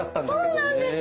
そうなんです。